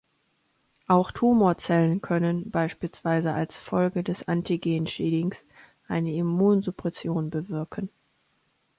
Auch Tumorzellen können, beispielsweise als Folge des Antigen-Sheddings, eine Immunsuppression bewirken.